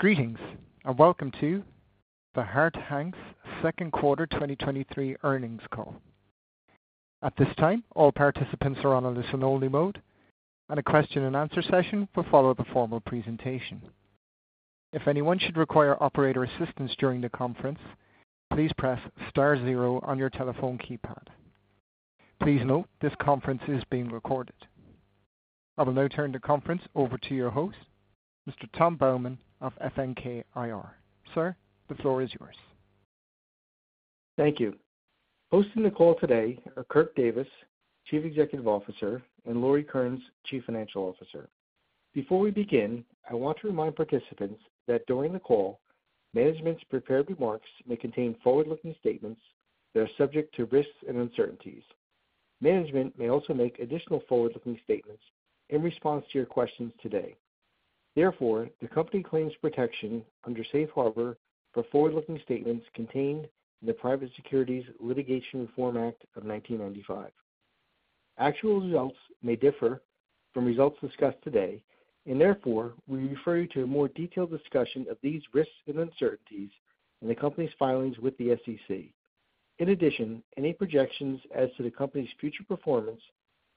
Greetings, welcome to the Harte Hanks's second quarter 2023 earnings call. At this time, all participants are on a listen-only mode, and a question-and-answer session will follow the formal presentation. If anyone should require operator assistance during the conference, please press star zero on your telephone keypad. Please note, this conference is being recorded. I will now turn the conference over to your host, Mr. Tom Baumann of FNK IR. Sir, the floor is yours. Thank you. Hosting the call today are Kirk Davis, Chief Executive Officer, and Lauri Kearnes, Chief Financial Officer. Before we begin, I want to remind participants that during the call, management's prepared remarks may contain forward-looking statements that are subject to risks and uncertainties. Management may also make additional forward-looking statements in response to your questions today. Therefore, the company claims protection under Safe Harbor for forward-looking statements contained in the Private Securities Litigation Reform Act of 1995. Actual results may differ from results discussed today, therefore, we refer you to a more detailed discussion of these risks and uncertainties in the company's filings with the SEC. In addition, any projections as to the company's future performance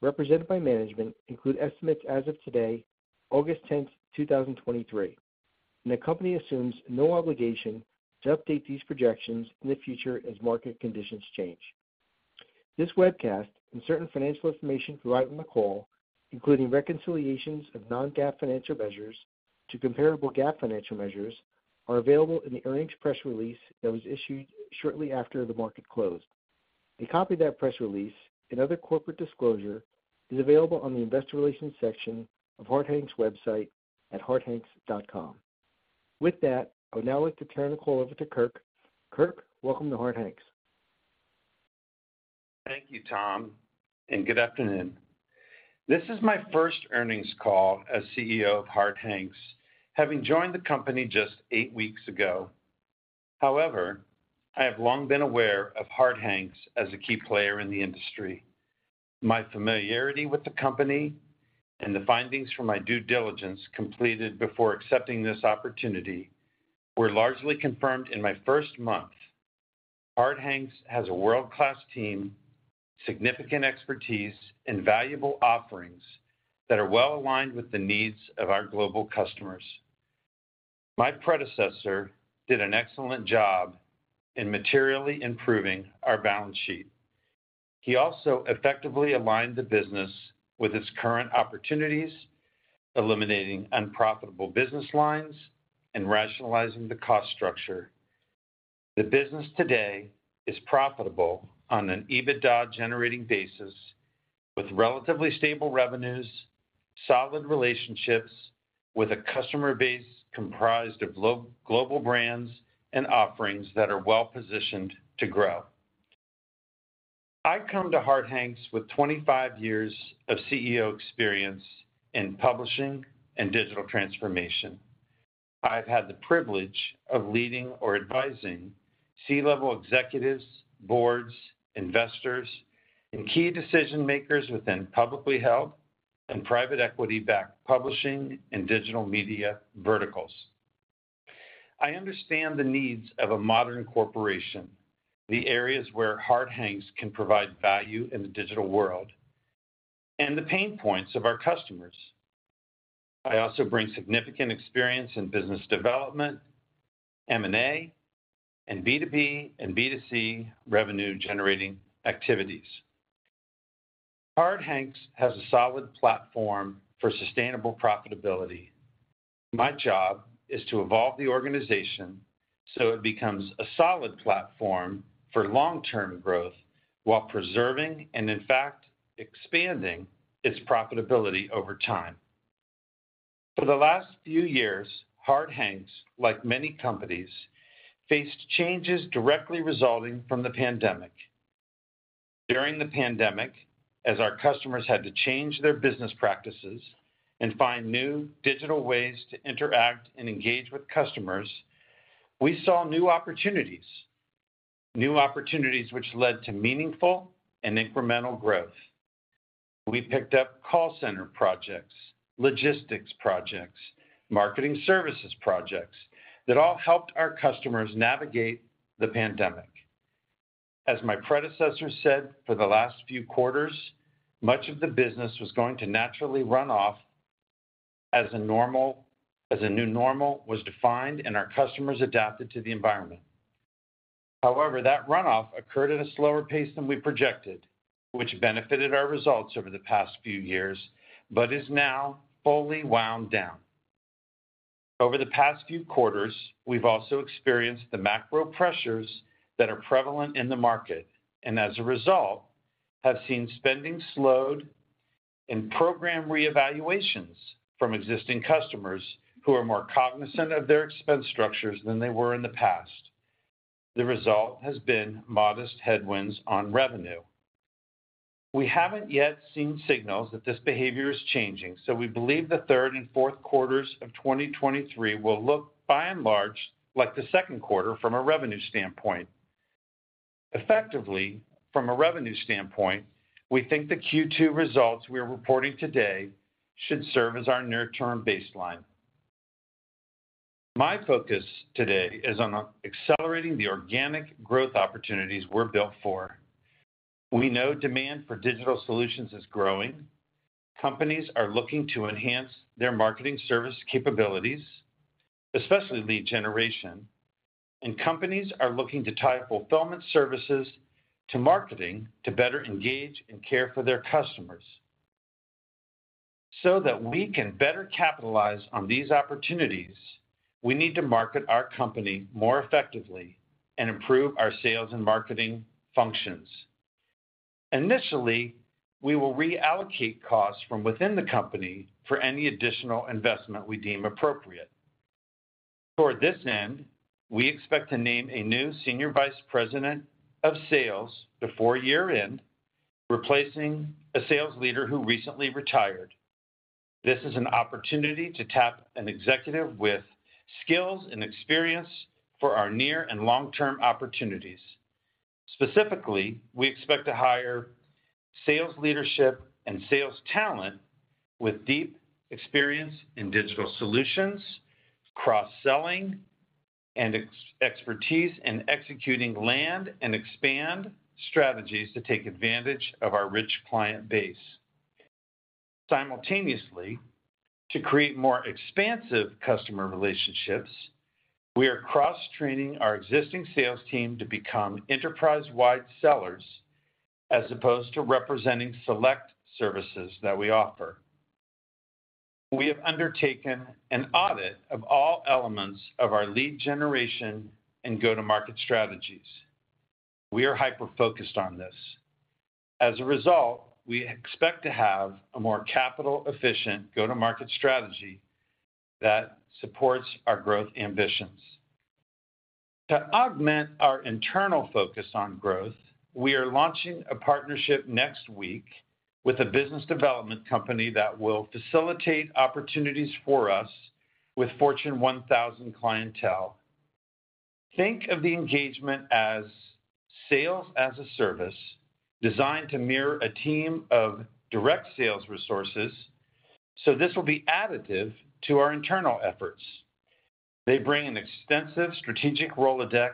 represented by management include estimates as of today, August 10th, 2023. The company assumes no obligation to update these projections in the future as market conditions change. This webcast and certain financial information provided in the call, including reconciliations of non-GAAP financial measures to comparable GAAP financial measures, are available in the earnings press release that was issued shortly after the market closed. A copy of that press release and other corporate disclosure is available on the investor relations section of Harte Hanks' website at hartehanks.com. With that, I would now like to turn the call over to Kirk. Kirk, welcome to Harte Hanks. Thank you, Tom. Good afternoon. This is my first earnings call as CEO of Harte Hanks, having joined the company just eight weeks ago. However, I have long been aware of Harte Hanks as a key player in the industry. My familiarity with the company and the findings from my due diligence completed before accepting this opportunity were largely confirmed in my first month. Harte Hanks has a world-class team, significant expertise, and valuable offerings that are well aligned with the needs of our global customers. My predecessor did an excellent job in materially improving our balance sheet. He also effectively aligned the business with its current opportunities, eliminating unprofitable business lines and rationalizing the cost structure. The business today is profitable on an EBITDA-generating basis, with relatively stable revenues, solid relationships, with a customer base comprised of global brands and offerings that are well-positioned to grow. I come to Harte Hanks with 25 years of CEO experience in publishing and digital transformation. I've had the privilege of leading or advising C-level executives, boards, investors, and key decision-makers within publicly held and private equity-backed publishing and digital media verticals. I understand the needs of a modern corporation, the areas where Harte Hanks can provide value in the digital world, and the pain points of our customers. I also bring significant experience in business development, M&A, and B2B and B2C revenue-generating activities. Harte Hanks has a solid platform for sustainable profitability. My job is to evolve the organization so it becomes a solid platform for long-term growth while preserving and, in fact, expanding its profitability over time. For the last few years, Harte Hanks, like many companies, faced changes directly resulting from the pandemic. During the pandemic, as our customers had to change their business practices and find new digital ways to interact and engage with customers, we saw new opportunities, new opportunities which led to meaningful and incremental growth. We picked up call center projects, logistics projects, marketing services projects that all helped our customers navigate the pandemic. As my predecessor said, for the last few quarters, much of the business was going to naturally run off as a new normal was defined and our customers adapted to the environment. However, that runoff occurred at a slower pace than we projected, which benefited our results over the past few years, but is now fully wound down. Over the past few quarters, we've also experienced the macro pressures that are prevalent in the market, and as a result, have seen spending slowed and program reevaluations from existing customers who are more cognizant of their expense structures than they were in the past. The result has been modest headwinds on revenue. We haven't yet seen signals that this behavior is changing, so we believe the 3rd and 4th quarters of 2023 will look by and large like the 2nd quarter from a revenue standpoint. Effectively, from a revenue standpoint, we think the Q2 results we are reporting today should serve as our near-term baseline. My focus today is on accelerating the organic growth opportunities we're built for. We know demand for digital solutions is growing. Companies are looking to enhance their marketing services capabilities, especially lead generation, and companies are looking to tie fulfillment services to marketing to better engage and care for their customers. That we can better capitalize on these opportunities, we need to market our company more effectively and improve our sales and marketing functions. Initially, we will reallocate costs from within the company for any additional investment we deem appropriate. Toward this end, we expect to name a new senior vice president of sales before year-end, replacing a sales leader who recently retired. This is an opportunity to tap an executive with skills and experience for our near and long-term opportunities. Specifically, we expect to hire sales leadership and sales talent with deep experience in digital solutions, cross-selling, and expertise in executing land and expand strategies to take advantage of our rich client base. Simultaneously, to create more expansive customer relationships, we are cross-training our existing sales team to become enterprise-wide sellers, as opposed to representing select services that we offer. We have undertaken an audit of all elements of our lead generation and go-to-market strategies. We are hyper-focused on this. As a result, we expect to have a more capital-efficient go-to-market strategy that supports our growth ambitions. To augment our internal focus on growth, we are launching a partnership next week with a business development company that will facilitate opportunities for us with Fortune 1000 clientele. Think of the engagement as Sales as a Service, designed to mirror a team of direct sales resources. This will be additive to our internal efforts. They bring an extensive strategic Rolodex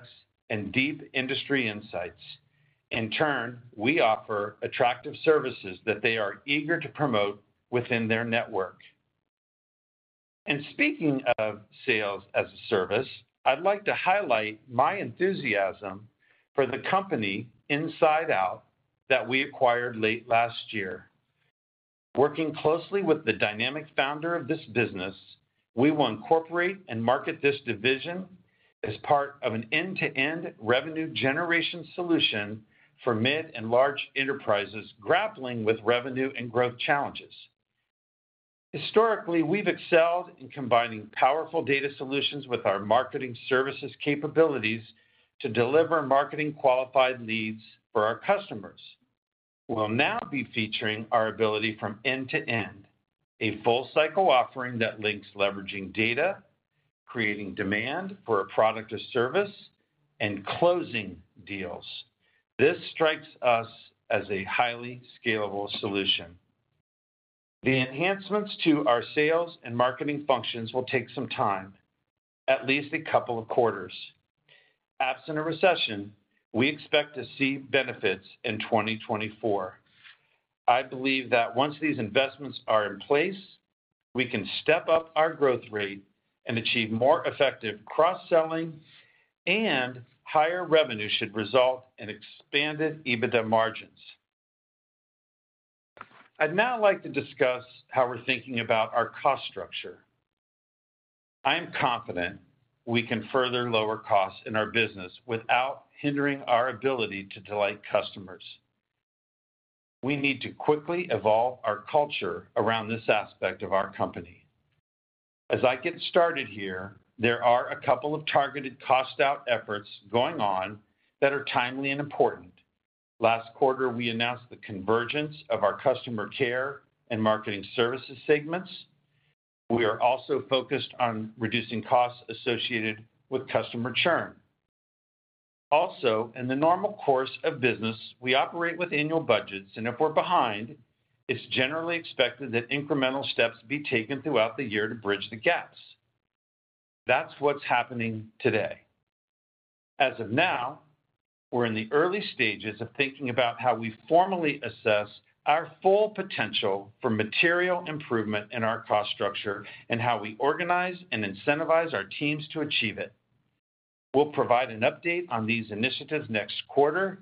and deep industry insights. In turn, we offer attractive services that they are eager to promote within their network. Speaking of Sales as a Service, I'd like to highlight my enthusiasm for the company InsideOut that we acquired late last year. Working closely with the dynamic founder of this business, we will incorporate and market this division as part of an end-to-end revenue generation solution for mid and large enterprises grappling with revenue and growth challenges. Historically, we've excelled in combining powerful data solutions with our marketing services capabilities to deliver marketing qualified leads for our customers. We'll now be featuring our ability from end to end, a full cycle offering that links leveraging data, creating demand for a product or service, and closing deals. This strikes us as a highly scalable solution. The enhancements to our sales and marketing functions will take some time, at least 2 quarters. Absent a recession, we expect to see benefits in 2024. I believe that once these investments are in place, we can step up our growth rate and achieve more effective cross-selling. Higher revenue should result in expanded EBITDA margins. I'd now like to discuss how we're thinking about our cost structure. I'm confident we can further lower costs in our business without hindering our ability to delight customers. We need to quickly evolve our culture around this aspect of our company. As I get started here, there are a couple of targeted cost out efforts going on that are timely and important. Last quarter, we announced the convergence of our customer care and marketing services segments. We are also focused on reducing costs associated with customer churn. In the normal course of business, we operate with annual budgets, and if we're behind, it's generally expected that incremental steps be taken throughout the year to bridge the gaps. That's what's happening today. As of now, we're in the early stages of thinking about how we formally assess our full potential for material improvement in our cost structure and how we organize and incentivize our teams to achieve it. We'll provide an update on these initiatives next quarter.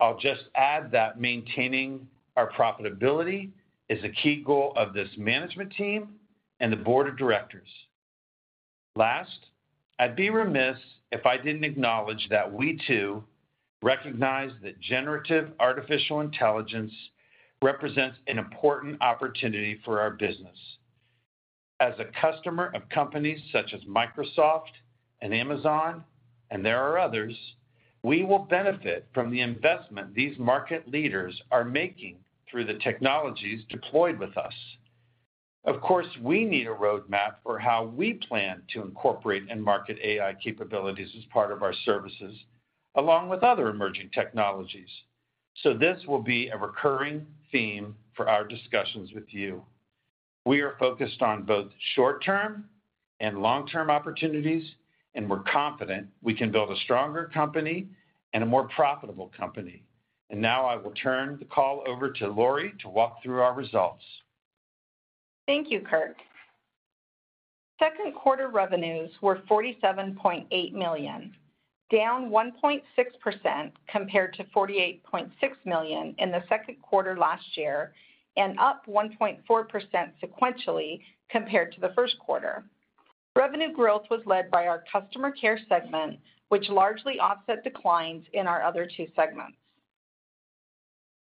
I'll just add that maintaining our profitability is a key goal of this management team and the board of directors. Last, I'd be remiss if I didn't acknowledge that we, too, recognize that generative artificial intelligence represents an important opportunity for our business. As a customer of companies such as Microsoft and Amazon, and there are others, we will benefit from the investment these market leaders are making through the technologies deployed with us. Of course, we need a roadmap for how we plan to incorporate and market AI capabilities as part of our services, along with other emerging technologies. This will be a recurring theme for our discussions with you. We are focused on both short-term and long-term opportunities, and we're confident we can build a stronger company and a more profitable company. Now I will turn the call over to Lauri to walk through our results. Thank you, Kirk. Second quarter revenues were $47.8 million, down 1.6% compared to $48.6 million in the second quarter last year, and up 1.4% sequentially compared to the first quarter. Revenue growth was led by our customer care segment, which largely offset declines in our other two segments.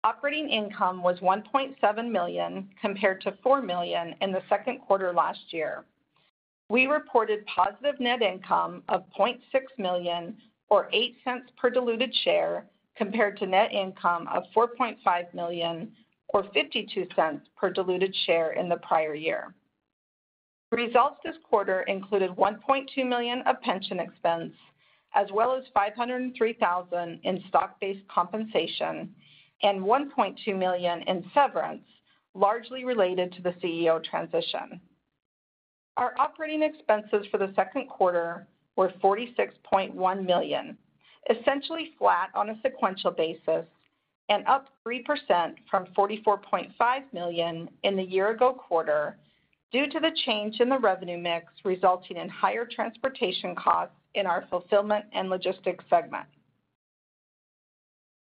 Operating income was $1.7 million, compared to $4 million in the second quarter last year. We reported positive net income of $0.6 million, or $0.08 per diluted share, compared to net income of $4.5 million, or $0.52 per diluted share in the prior year. Results this quarter included $1.2 million of pension expense, as well as $503,000 in stock-based compensation and $1.2 million in severance, largely related to the CEO transition. Our operating expenses for the second quarter were $46.1 million, essentially flat on a sequential basis and up 3% from $44.5 million in the year ago quarter, due to the change in the revenue mix, resulting in higher transportation costs in our fulfillment and logistics segment.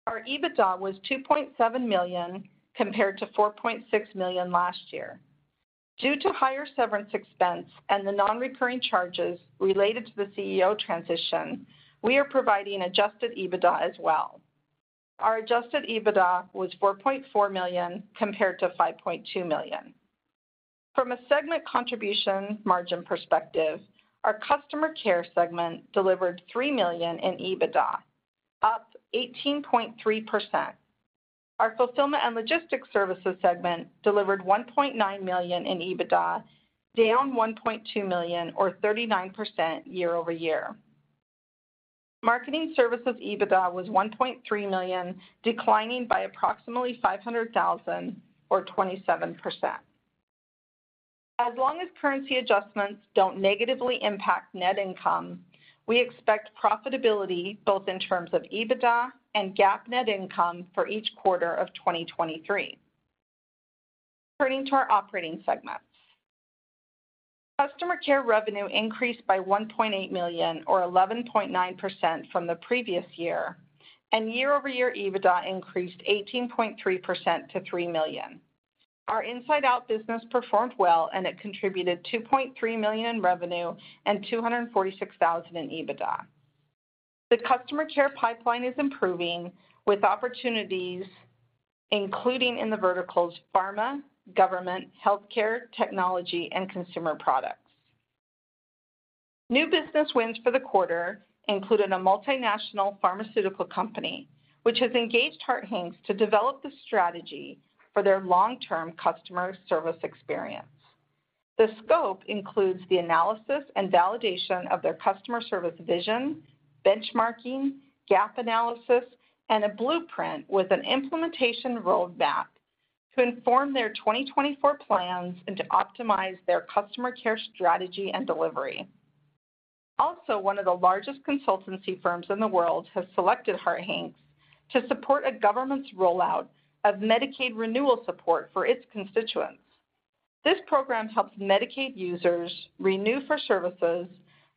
Our EBITDA was $2.7 million, compared to $4.6 million last year. Due to higher severance expense and the non-recurring charges related to the CEO transition, we are providing adjusted EBITDA as well. Our adjusted EBITDA was $4.4 million compared to $5.2 million. From a segment contribution margin perspective, our customer care segment delivered $3 million in EBITDA, up 18.3%. Our fulfillment and logistics services segment delivered $1.9 million in EBITDA, down $1.2 million, or 39% year-over-year. Marketing services EBITDA was $1.3 million, declining by approximately $500,000 or 27%. As long as currency adjustments don't negatively impact net income, we expect profitability both in terms of EBITDA and GAAP net income for each quarter of 2023. Turning to our operating segments. Customer care revenue increased by $1.8 million, or 11.9% from the previous year, and year-over-year EBITDA increased 18.3% to $3 million. Our InsideOut business performed well, and it contributed $2.3 million in revenue and $246,000 in EBITDA. The customer care pipeline is improving, with opportunities including in the verticals: pharma, government, healthcare, technology, and consumer products. New business wins for the quarter included a multinational pharmaceutical company, which has engaged Harte Hanks to develop the strategy for their long-term customer service experience. The scope includes the analysis and validation of their customer service vision, benchmarking, gap analysis, and a blueprint with an implementation roadmap to inform their 2024 plans and to optimize their customer care strategy and delivery. Also, one of the largest consultancy firms in the world has selected Harte Hanks to support a government's rollout of Medicaid renewal support for its constituents. This program helps Medicaid users renew for services,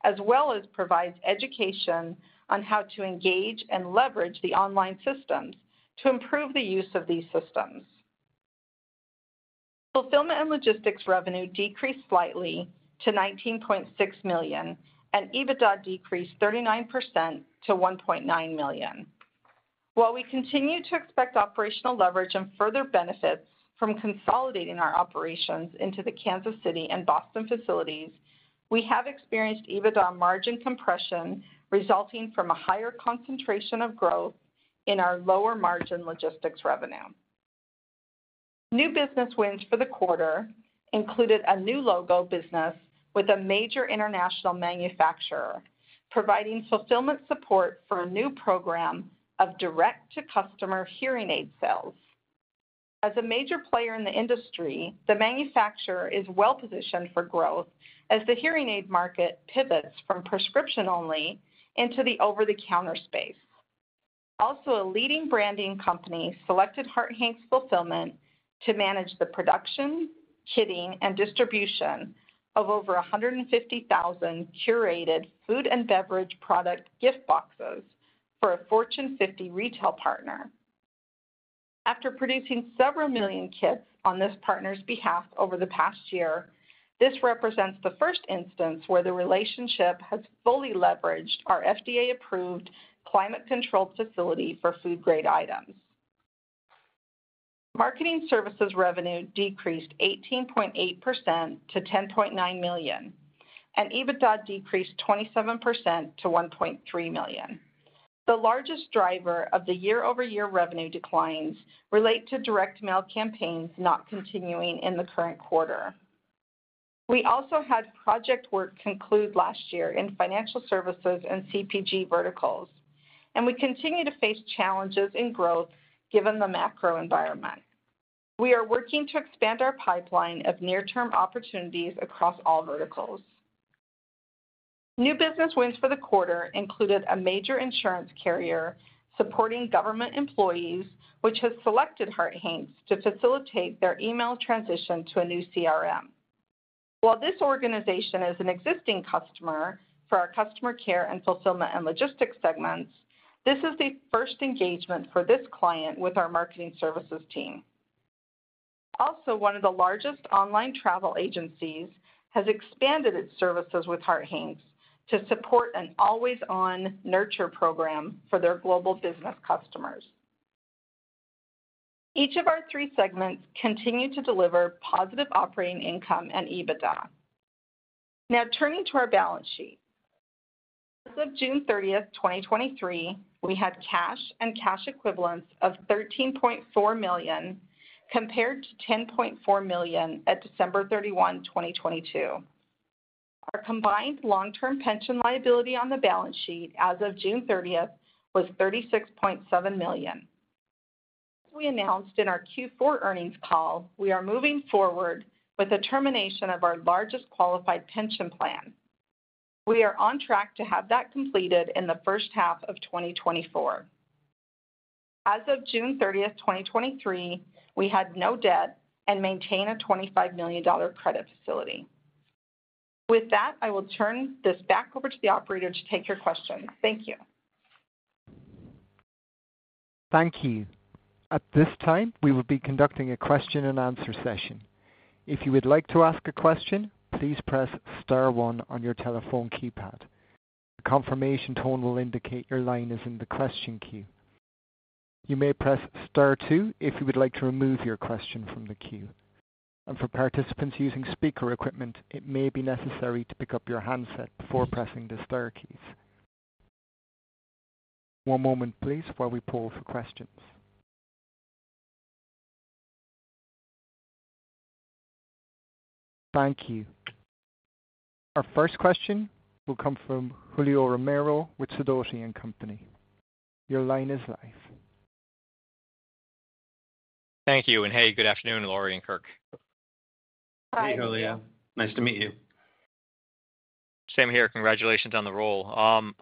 as well as provides education on how to engage and leverage the online systems to improve the use of these systems. Fulfillment and logistics revenue decreased slightly to $19.6 million, and EBITDA decreased 39% to $1.9 million. While we continue to expect operational leverage and further benefits from consolidating our operations into the Kansas City and Boston facilities, we have experienced EBITDA margin compression, resulting from a higher concentration of growth in our lower-margin logistics revenue. New business wins for the quarter included a new logo business with a major international manufacturer, providing fulfillment support for a new program of direct-to-customer hearing aid sales. As a major player in the industry, the manufacturer is well-positioned for growth as the hearing aid market pivots from prescription-only into the over-the-counter space. Also, a leading branding company selected Harte Hanks Fulfillment to manage the production, kitting, and distribution of over 150,000 curated food and beverage product gift boxes for a Fortune 50 retail partner. After producing several million kits on this partner's behalf over the past year, this represents the first instance where the relationship has fully leveraged our FDA-approved, climate-controlled facility for food-grade items. Marketing services revenue decreased 18.8% to $10.9 million, and EBITDA decreased 27% to $1.3 million. The largest driver of the year-over-year revenue declines relate to direct mail campaigns not continuing in the current quarter. We also had project work conclude last year in financial services and CPG verticals, we continue to face challenges in growth given the macro environment. We are working to expand our pipeline of near-term opportunities across all verticals. New business wins for the quarter included a major insurance carrier supporting government employees, which has selected Harte Hanks to facilitate their email transition to a new CRM. While this organization is an existing customer for our customer care and fulfillment and logistics segments, this is the first engagement for this client with our marketing services team. One of the largest online travel agencies has expanded its services with Harte Hanks to support an always-on nurture program for their global business customers. Each of our three segments continued to deliver positive operating income and EBITDA. Turning to our balance sheet. As of June 30th, 2023, we had cash and cash equivalents of $13.4 million, compared to $10.4 million at December 31, 2022. Our combined long-term pension liability on the balance sheet as of June 30 was $36.7 million. As we announced in our Q4 earnings call, we are moving forward with the termination of our largest qualified pension plan. We are on track to have that completed in the first half of 2024. As of June 30th, 2023, we had no debt and maintain a $25 million credit facility. With that, I will turn this back over to the operator to take your questions. Thank you. Thank you. At this time, we will be conducting a question-and-answer session. If you would like to ask a question, please press star one on your telephone keypad. A confirmation tone will indicate your line is in the question queue. You may press star two if you would like to remove your question from the queue. For participants using speaker equipment, it may be necessary to pick up your handset before pressing the star keys. One moment please, while we poll for questions. Thank you. Our first question will come from Julio Romero with Sidoti & Company. Your line is live. Thank you, hey, good afternoon, Lauri and Kirk. Hi. Hey, Julio. Nice to meet you. Same here. Congratulations on the role.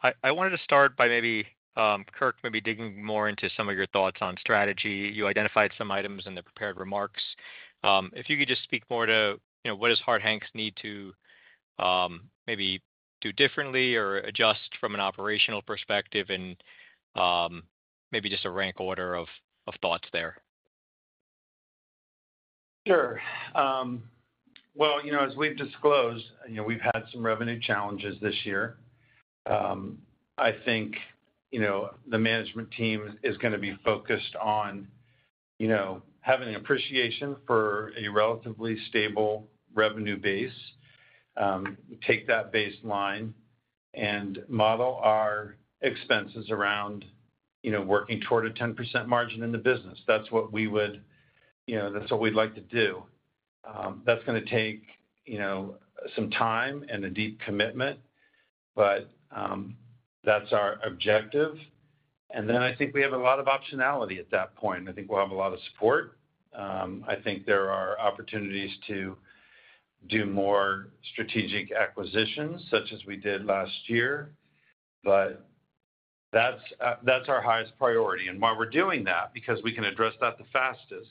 I, I wanted to start by maybe, Kirk, maybe digging more into some of your thoughts on strategy. You identified some items in the prepared remarks. If you could just speak more to, you know, what does Harte Hanks need to maybe do differently or adjust from an operational perspective and maybe just a rank order of, of thoughts there. Sure. Well, you know, as we've disclosed, you know, we've had some revenue challenges this year. I think, you know, the management team is going to be focused on, you know, having an appreciation for a relatively stable revenue base. Take that baseline and model our expenses around, you know, working toward a 10% margin in the business. That's what we would, you know, that's what we'd like to do. That's going to take, you know, some time and a deep commitment, but that's our objective. Then I think we have a lot of optionality at that point. I think we'll have a lot of support. I think there are opportunities to do more strategic acquisitions, such as we did last year, but that's, that's our highest priority. Why we're doing that, because we can address that the fastest.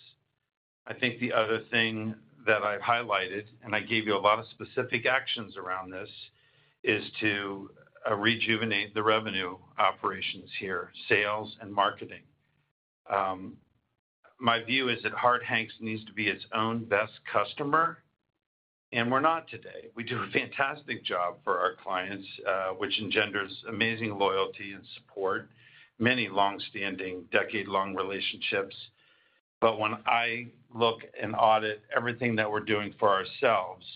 I think the other thing that I've highlighted, and I gave you a lot of specific actions around this, is to rejuvenate the revenue operations here, sales and marketing. My view is that Harte Hanks needs to be its own best customer, and we're not today. We do a fantastic job for our clients, which engenders amazing loyalty and support, many long-standing, decade-long relationships. When I look and audit everything that we're doing for ourselves,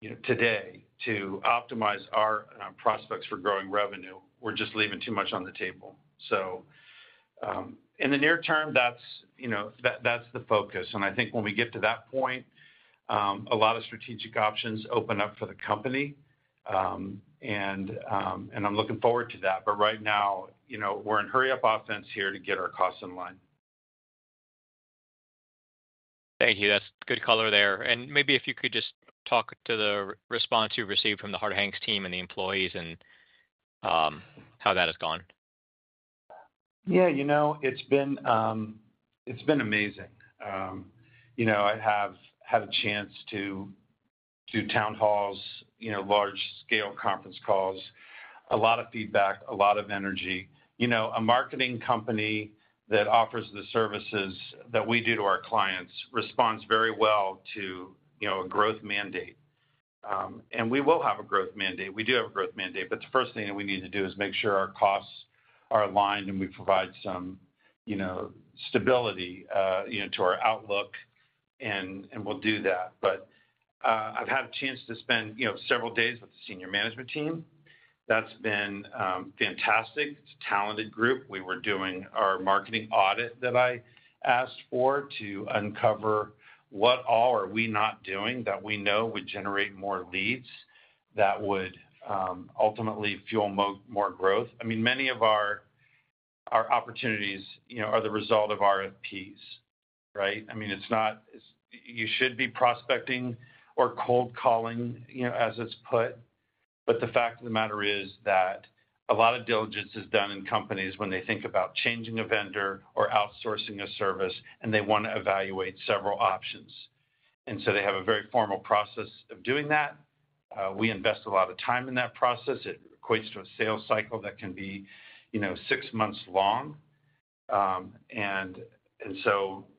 you know, today, to optimize our prospects for growing revenue, we're just leaving too much on the table. In the near term, that's, you know, that, that's the focus. I think when we get to that point, a lot of strategic options open up for the company. I'm looking forward to that. Right now, you know, we're in hurry-up offense here to get our costs in line. Thank you. That's good color there. Maybe if you could just talk to the response you've received from the Harte Hanks team and the employees and, how that has gone. Yeah, you know, it's been, it's been amazing. You know, I have had a chance to do town halls, you know, large-scale conference calls, a lot of feedback, a lot of energy. You know, a marketing company that offers the services that we do to our clients responds very well to, you know, a growth mandate. We will have a growth mandate. We do have a growth mandate, but the first thing that we need to do is make sure our costs are aligned, and we provide some, you know, stability, you know, to our outlook. We'll do that. I've had a chance to spend, you know, several days with the senior management team. That's been, fantastic. It's a talented group. We were doing our marketing audit that I asked for, to uncover what all are we not doing that we know would generate more leads, that would ultimately fuel more growth. I mean, many of our opportunities, you know, are the result of RFPs, right? I mean, it's not, you should be prospecting or cold calling, you know, as it's put, but the fact of the matter is that a lot of diligence is done in companies when they think about changing a vendor or outsourcing a service, and they want to evaluate several options. They have a very formal process of doing that. We invest a lot of time in that process. It equates to a sales cycle that can be, you know, 6 months long.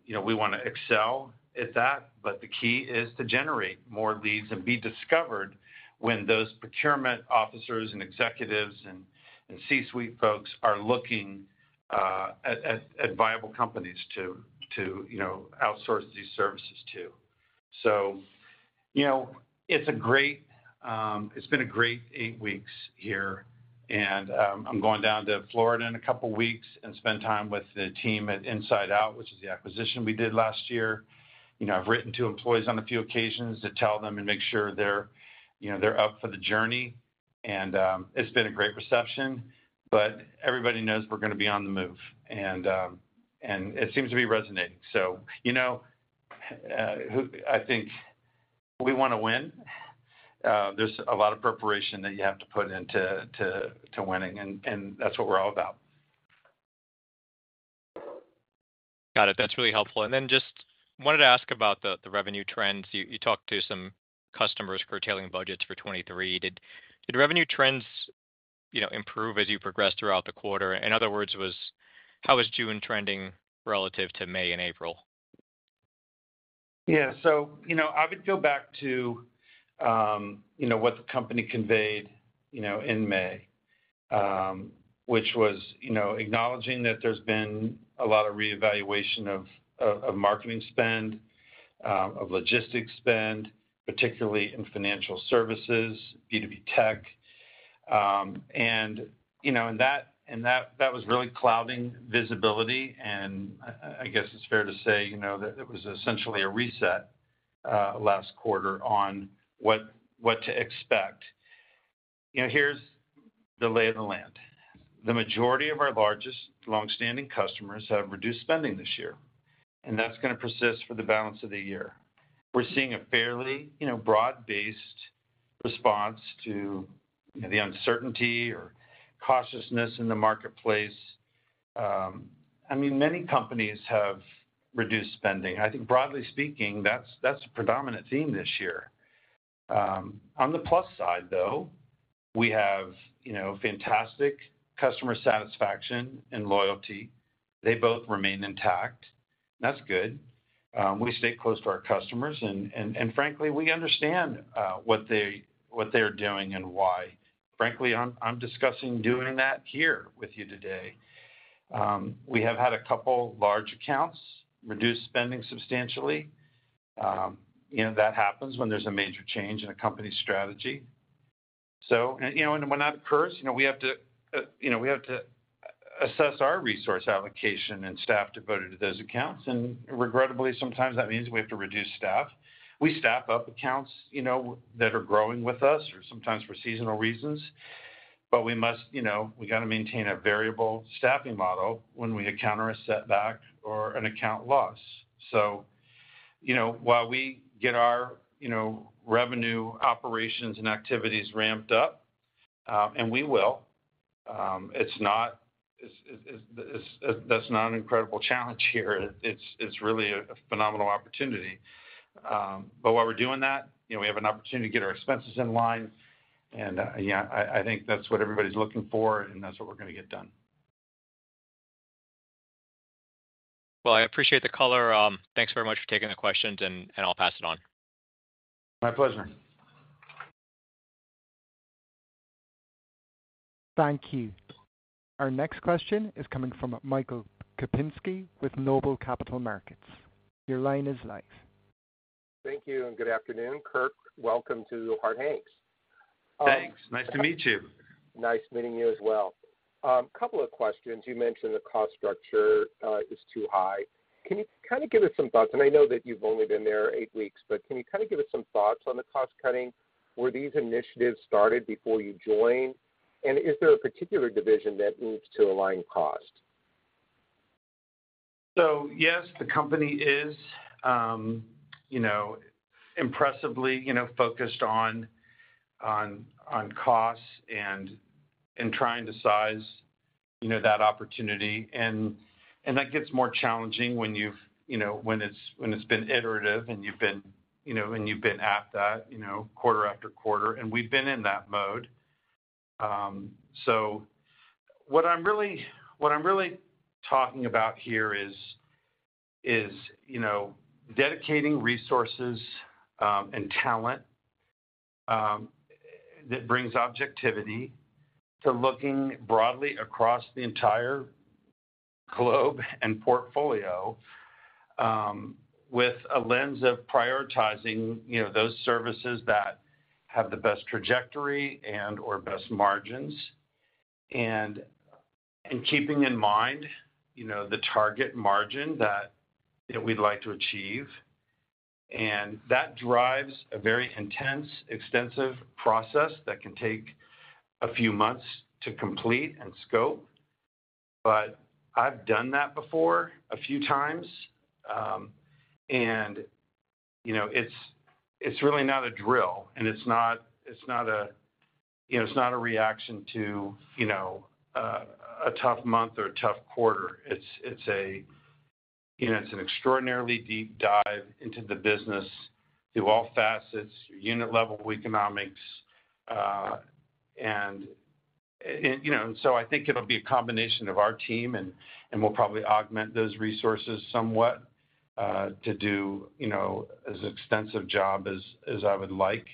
You know, we want to excel at that. The key is to generate more leads and be discovered when those procurement officers and executives and C-suite folks are looking at viable companies to, you know, outsource these services to. You know, it's been a great eight weeks here, and I'm going down to Florida in a couple of weeks and spend time with the team at InsideOut, which is the acquisition we did last year. You know, I've written to employees on a few occasions to tell them and make sure they're, you know, they're up for the journey, and it's been a great reception. Everybody knows we're gonna be on the move, and it seems to be resonating. You know, who... I think we want to win. There's a lot of preparation that you have to put into winning, that's what we're all about. Got it. That's really helpful. Then just wanted to ask about the, the revenue trends. You, you talked to some customers curtailing budgets for 2023. Did, did revenue trends, you know, improve as you progressed throughout the quarter? In other words, how was June trending relative to May and April? Yeah. You know, I would go back to, you know, what the company conveyed, you know, in May, which was, you know, acknowledging that there's been a lot of reevaluation of, of, of marketing spend, of logistics spend, particularly in financial services, B2B tech. You know, and that, and that, that was really clouding visibility. I, I guess it's fair to say, you know, that it was essentially a reset last quarter on what, what to expect. You know, here's the lay of the land. The majority of our largest long-standing customers have reduced spending this year, and that's gonna persist for the balance of the year. We're seeing a fairly, you know, broad-based response to, you know, the uncertainty or cautiousness in the marketplace. I mean, many companies have reduced spending. I think broadly speaking, that's, that's a predominant theme this year. On the plus side, though, we have, you know, fantastic customer satisfaction and loyalty. They both remain intact. That's good. We stay close to our customers, and frankly, we understand what they, what they're doing and why. Frankly, I'm, I'm discussing doing that here with you today. We have had a couple large accounts reduce spending substantially. You know, that happens when there's a major change in a company's strategy. When that occurs, you know, we have to, you know, we have to assess our resource allocation and staff devoted to those accounts, and regrettably, sometimes that means we have to reduce staff. We staff up accounts, you know, that are growing with us or sometimes for seasonal reasons, but we must, you know, we got to maintain a variable staffing model when we encounter a setback or an account loss. You know, while we get our, you know, revenue, operations, and activities ramped up, and we will, it's not, that's not an incredible challenge here. It's, it's really a phenomenal opportunity. But while we're doing that, you know, we have an opportunity to get our expenses in line, and yeah, I, I think that's what everybody's looking for, and that's what we're gonna get done. Well, I appreciate the color. Thanks very much for taking the questions, and I'll pass it on. My pleasure. Thank you. Our next question is coming from Michael Kupinski with Noble Capital Markets. Your line is live. Thank you, and good afternoon. Kirk, welcome to Harte Hanks. Thanks. Nice to meet you. Nice meeting you as well. Couple of questions. You mentioned the cost structure is too high. Can you kind of give us some thoughts, and I know that you've only been there eight weeks, but can you kind of give us some thoughts on the cost-cutting? Were these initiatives started before you joined, and is there a particular division that needs to align cost? Yes, the company is, you know, impressively, you know, focused on, on, on costs and, and trying to size, you know, that opportunity. That gets more challenging when you've, you know, when it's, when it's been iterative and you've been, you know, and you've been at that, you know, quarter after quarter, and we've been in that mode. What I'm really, what I'm really talking about here is, is, you know, dedicating resources and talent that brings objectivity to looking broadly across the entire globe and portfolio with a lens of prioritizing, you know, those services that have the best trajectory and or best margins. Keeping in mind, you know, the target margin that, you know, we'd like to achieve. That drives a very intense, extensive process that can take a few months to complete and scope. I've done that before a few times, and, you know, it's, it's really not a drill, and it's not, it's not a, you know, it's not a reaction to, you know, a tough month or a tough quarter. It's, it's a, you know, it's an extraordinarily deep dive into the business, through all facets, your unit-level economics. And, and, you know, so I think it'll be a combination of our team, and, and we'll probably augment those resources somewhat, to do, you know, as extensive job as, as I would like.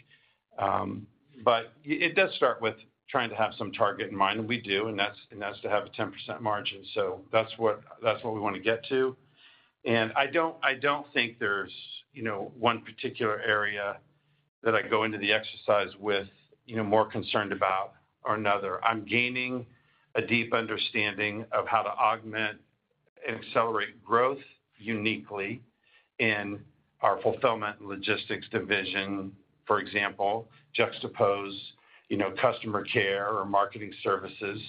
But it, it does start with trying to have some target in mind, and we do, and that's, and that's to have a 10% margin. That's what, that's what we want to get to. I don't, I don't think there's, you know, one particular area that I go into the exercise with, you know, more concerned about or another. I'm gaining a deep understanding of how to augment and accelerate growth uniquely in our fulfillment and logistics division, for example, juxtapose, you know, customer care or marketing services.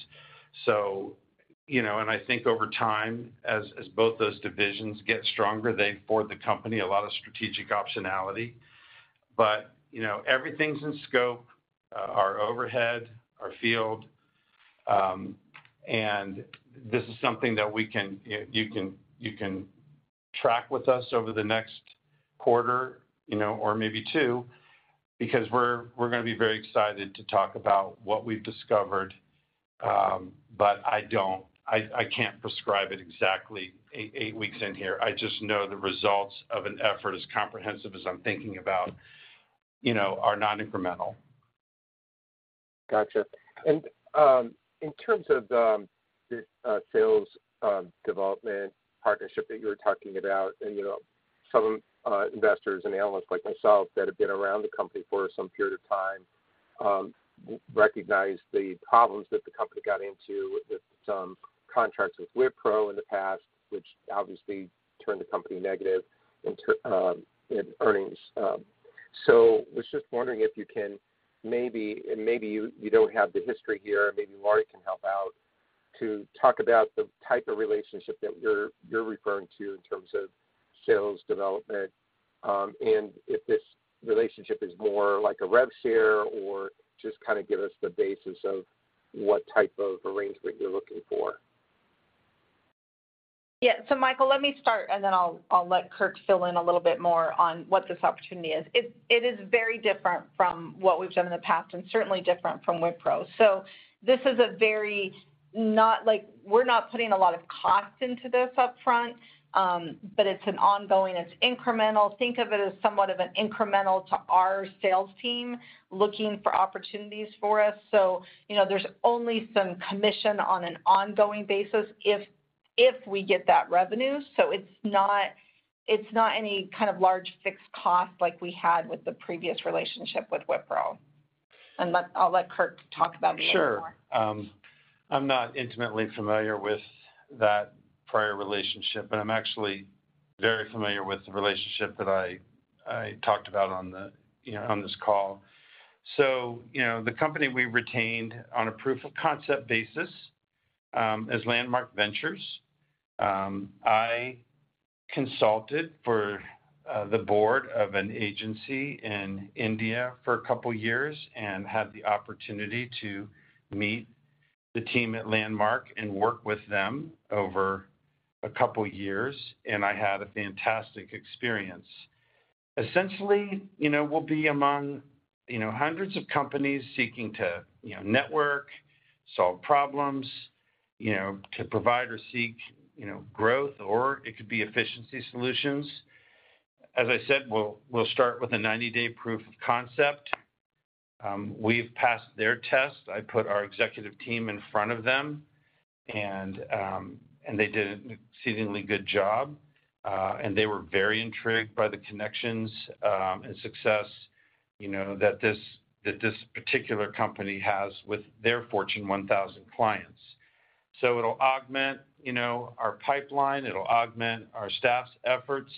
You know, I think over time, as, as both those divisions get stronger, they afford the company a lot of strategic optionality. You know, everything's in scope, our overhead, our field, this is something that we can, you, you can, you can track with us over the next quarter, you know, or maybe two, because we're, we're gonna be very excited to talk about what we've discovered. I don't... I, I can't prescribe it exactly eight, eight weeks in here. I just know the results of an effort as comprehensive as I'm thinking about, you know, are not incremental. Gotcha. In terms of the sales development partnership that you were talking about, and, you know, some investors and analysts like myself that have been around the company for some period of time, recognize the problems that the company got into with some contracts with Wipro in the past, which obviously turned the company negative in earnings. Was just wondering if you can maybe, and maybe you, you don't have the history here, maybe Lauri can help out, to talk about the type of relationship that you're, you're referring to in terms of sales development, and if this relationship is more like a rev share or just kind of give us the basis of what type of arrangement you're looking for? Yeah. Michael, let me start, and then I'll, I'll let Kirk fill in a little bit more on what this opportunity is. It is very different from what we've done in the past and certainly different from Wipro. This is a very, not like, we're not putting a lot of cost into this upfront, but it's an ongoing, it's incremental. Think of it as somewhat of an incremental to our sales team, looking for opportunities for us. You know, there's only some commission on an ongoing basis if we get that revenue. It's not, it's not any kind of large fixed cost like we had with the previous relationship with Wipro. I'll let Kirk talk about it a little more. Sure. I'm not intimately familiar with that prior relationship, but I'm actually very familiar with the relationship that I, I talked about on the, you know, on this call. You know, the company we retained on a proof of concept basis is Landmark Ventures. I consulted for the board of an agency in India for a couple of years and had the opportunity to meet the team at Landmark and work with them over a couple of years, and I had a fantastic experience. Essentially, you know, we'll be among, you know, hundreds of companies seeking to, you know, network, solve problems, you know, to provide or seek, you know, growth, or it could be efficiency solutions. As I said, we'll, we'll start with a 90-day proof of concept. We've passed their test. I put our executive team in front of them, and, and they did an exceedingly good job. They were very intrigued by the connections, and success, you know, that this, that this particular company has with their Fortune 1000 clients. It'll augment, you know, our pipeline. It'll augment our staff's efforts.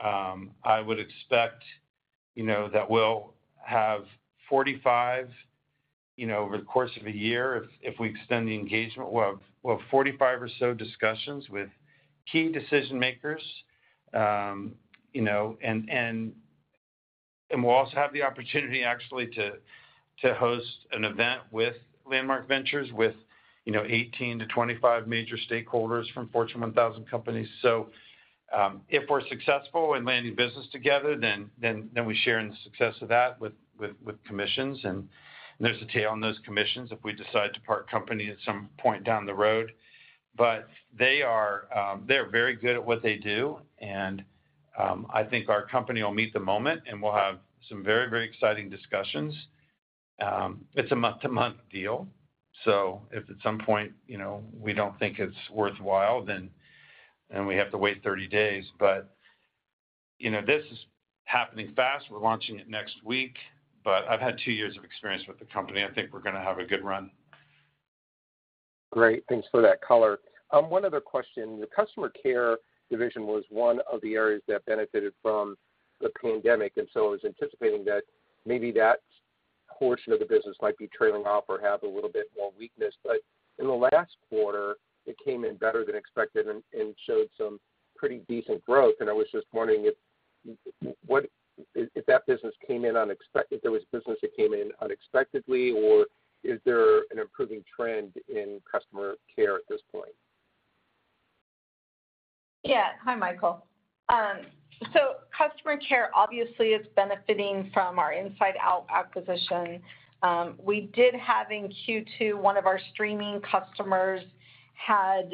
I would expect, you know, that we'll have 45, you know, over the course of a year, if, if we extend the engagement, we'll have, we'll have 45 or so discussions with key decision makers. You know, and, and, and we'll also have the opportunity actually to, to host an event with Landmark Ventures, with, you know, 18-25 major stakeholders from Fortune 1000 companies. If we're successful in landing business together, then, then, then we share in the success of that with, with, with commissions, and there's a tail on those commissions if we decide to part company at some point down the road. They are, they're very good at what they do, and, I think our company will meet the moment, and we'll have some very, very exciting discussions. It's a month-to-month deal, so if at some point, you know, we don't think it's worthwhile, then, then we have to wait 30 days. You know, this is happening fast. We're launching it next week, but I've had 2 years of experience with the company. I think we're gonna have a good run. Great. Thanks for that color. One other question. The customer care was one of the areas that benefited from the pandemic, so I was anticipating that maybe that portion of the business might be trailing off or have a little bit more weakness. In the last quarter, it came in better than expected and showed some pretty decent growth, and I was just wondering if that business came in unexpected, if there was business that came in unexpectedly, or is there an improving trend in customer care at this point? Yeah. Hi, Michael. Customer care obviously is benefiting from our InsideOut Solutions acquisition. We did have in Q2, one of our streaming customers had,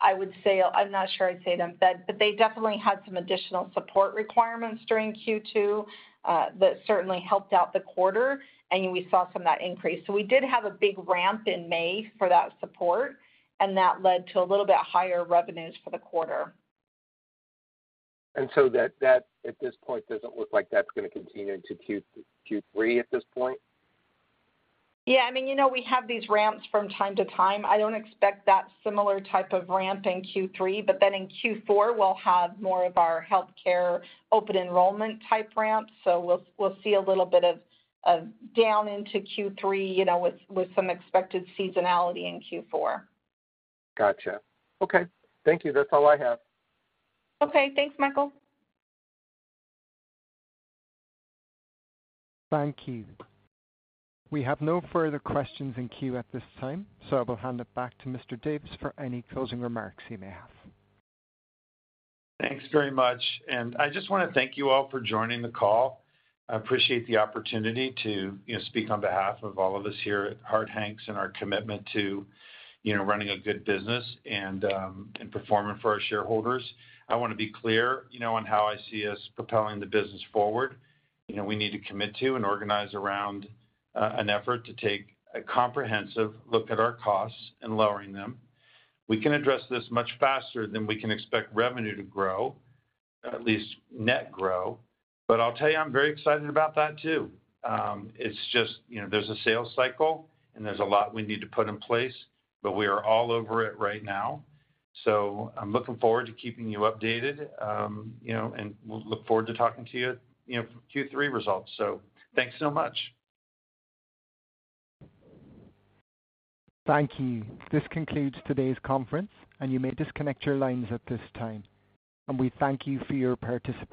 I would say... I'm not sure I'd say them, but they definitely had some additional support requirements during Q2 that certainly helped out the quarter, and we saw some of that increase. We did have a big ramp in May for that support, and that led to a little bit higher revenues for the quarter. That, at this point, doesn't look like that's gonna continue into Q3, Q3 at this point? Yeah, I mean, you know, we have these ramps from time to time. I don't expect that similar type of ramp in Q3, but then in Q4, we'll have more of our healthcare open enrollment type ramps. We'll, we'll see a little bit of, of down into Q3, you know, with, with some expected seasonality in Q4. Gotcha. Okay. Thank you. That's all I have. Okay. Thanks, Michael. Thank you. We have no further questions in queue at this time, so I will hand it back to Mr. Davis for any closing remarks he may have. Thanks very much. I just wanna thank you all for joining the call. I appreciate the opportunity to, you know, speak on behalf of all of us here at Harte Hanks and our commitment to, you know, running a good business and performing for our shareholders. I want to be clear, you know, on how I see us propelling the business forward. You know, we need to commit to and organize around an effort to take a comprehensive look at our costs and lowering them. We can address this much faster than we can expect revenue to grow, at least net grow. I'll tell you, I'm very excited about that, too. It's just, you know, there's a sales cycle, and there's a lot we need to put in place, but we are all over it right now. I'm looking forward to keeping you updated, you know, and we'll look forward to talking to you, you know, Q3 results. Thanks so much. Thank you. This concludes today's conference. You may disconnect your lines at this time. We thank you for your participation.